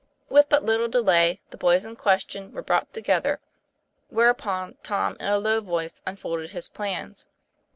With but little delay, the boys in question were brought together; whereupon Tom in a low voice unfolded his plans.